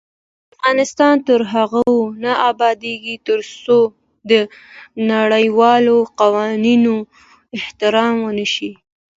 افغانستان تر هغو نه ابادیږي، ترڅو د نړیوالو قوانینو احترام ونشي.